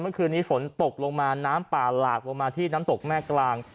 เมื่อคืนนี้ฝนตกลงมาน้ำป่าหลากลงมาที่น้ำตกแม่กลาง